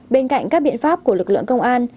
bên cạnh các biện pháp của lực lượng công an